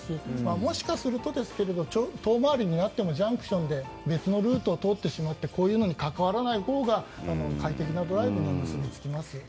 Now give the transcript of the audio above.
もしかするとですが遠回りになってもジャンクションで別のルートを通ってこういうのに関わらないほうが快適なドライブに結びつきます。